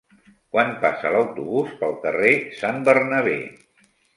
Quan passa l'autobús pel carrer Sant Bernabé?